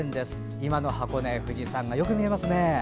今の箱根富士山がよく見えますね。